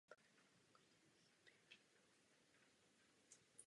Provokativní představa chlapeckého spisovatele jako gaye vyvolala řadu polemik.